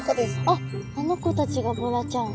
あっあの子たちがボラちゃん。